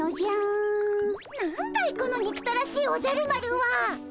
なんだいこのにくたらしいおじゃる丸は。